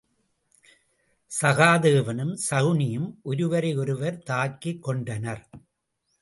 சகாதேவனும் சகுனியும் ஒருவரை ஒருவர் தாக்கிக் கொண்டனர்.